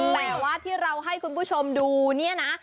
แต่ว่าที่เราให้คุณผู้ชมดูเนี่ยนะ